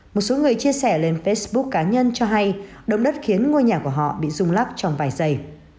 một số người chia sẻ lên facebook cá nhân cho hay động đất khiến ngôi nhà của họ bị rung lắc trong vài giây